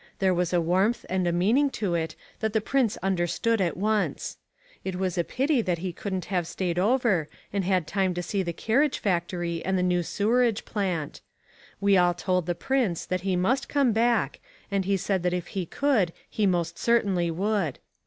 There was a warmth and a meaning to it that the prince understood at once. It was a pity that he couldn't have stayed over and had time to see the carriage factory and the new sewerage plant. We all told the prince that he must come back and he said that if he could he most certainly would.